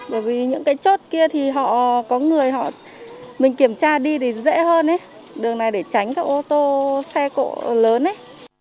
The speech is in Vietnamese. bởi vì những cái chốt kia thì họ có người họ mình kiểm tra đi thì dễ hơn đường này để tránh các ô tô xe cộ lớn ấy